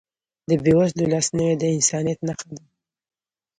د بېوزلو لاسنیوی د انسانیت نښه ده.